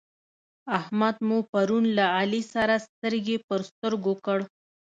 احمد مو پرون له علي سره سترګې پر سترګو کړ.